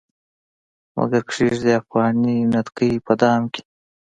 مګر کښيږدي افغاني نتکۍ په دام کې